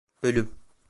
Bölüm